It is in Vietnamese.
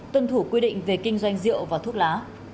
tuân thủ quy định về kinh doanh rượu và thuốc lá